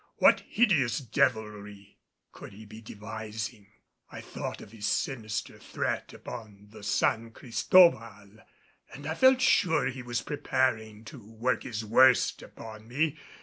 What hideous devilry could he be devising? I thought of his sinister threat upon the San Cristobal, and I felt sure he was preparing to work his worst upon me.